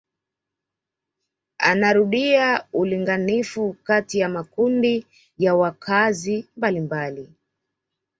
Anarudia ulinganifu kati ya makundi ya wakaazi mbalimbali